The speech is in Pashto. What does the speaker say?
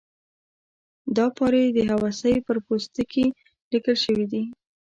دا پارې د هوسۍ پر پوستکي لیکل شوي دي.